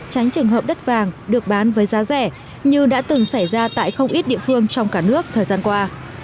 tránh trường hợp đất vàng được bán với giá rẻ như đã từng xảy ra tại không ít địa phương trong cả nước thời gian qua